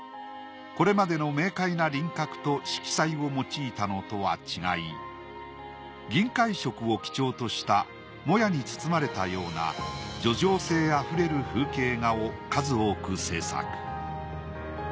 これまでの明快な輪郭と色彩を用いたのとは違い銀灰色を基調としたもやに包まれたような叙情性あふれる風景画を数多く制作。